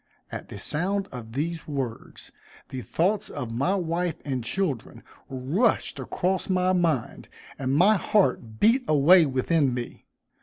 At the sound of these words, the thoughts of my wife and children rushed across my mind, and my heart beat away within me.